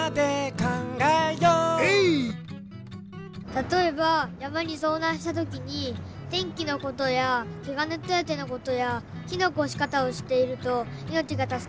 たとえばやまにそうなんしたときにてんきのことやケガのてあてのことやひのおこしかたをしっているといのちがたすかるとおもいます。